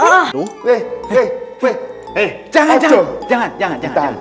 eh jangan jangan